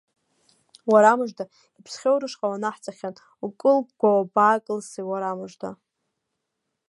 Уара мыжда, иԥсхьоу рышҟа уанаҳҵахьан, укылгәгәа уабаакылси, уара мыжда!